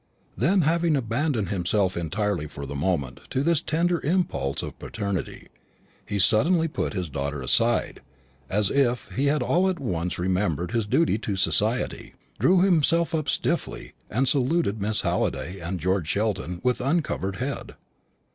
Then, having abandoned himself entirely for the moment to this tender impulse of paternity, he suddenly put his daughter aside, as if he had all at once remembered his duty to society, drew himself up stiffly, and saluted Miss Halliday and George Sheldon with uncovered head.